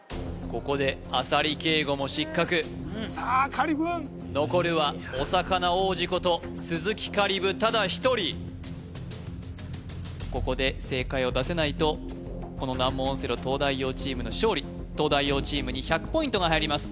ここで浅利圭吾も失格さあ香里武くん残るはお魚王子こと鈴木香里武ただ一人ここで正解を出せないとこの難問オセロ東大王チームの勝利東大王チームに１００ポイントが入ります